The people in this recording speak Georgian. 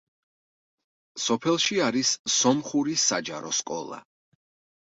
სოფელში არის სომხური საჯარო სკოლა.